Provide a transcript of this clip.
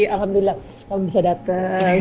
alhamdulillah kamu bisa datang